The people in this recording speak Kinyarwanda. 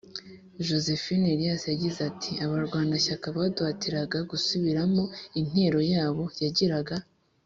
Josephine elias yagize ati abarwanashyaka baduhatiraga gusubiramo intero yabo yagiraga